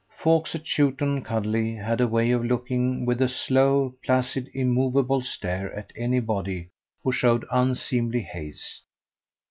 Folks at Chewton Cudley had a way of looking with a slow, placid, immovable stare at anybody who showed unseemly haste.